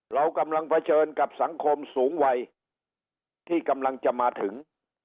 เรากำลังเผชิญกับสังคมสูงวัยที่กำลังจะมาถึง